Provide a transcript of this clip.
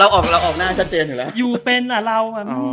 เราออกหน้าชัดเจนอยู่แล้ว